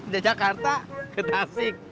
dari jakarta ke tasik